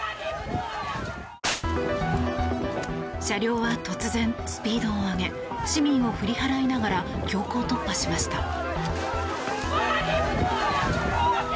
車両は突然、スピードを上げ市民を振り払いながら強行突破しました。